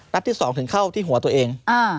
นัดที่สองถึงเข้าที่หัวตัวเอง